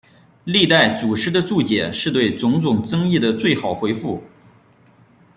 历代祖师的注解是对种种争议的最好回复。